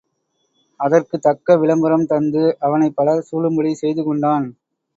அதற்குத் தக்க விளம்பரம் தந்து அவனைப் பலர் சூழும்படி செய்துகொண்டான்.